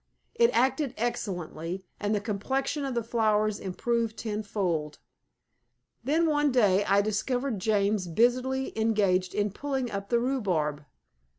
It acted excellently, and the complexion of the flowers improved tenfold. Then one day I discovered James busily engaged in pulling up the rhubarb.